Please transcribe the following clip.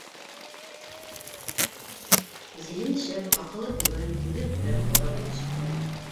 Зиһене шәп, аҡылы теүәл, күҙе күрә, ҡолағы ишетә.